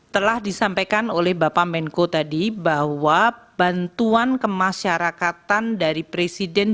telah disampaikan oleh bapak menko tadi bahwa bantuan kemasyarakatan dari presiden